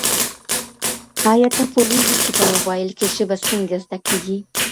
ایا ته پوهېږې چي په موبایل کي ژبه څنګه زده کیږي؟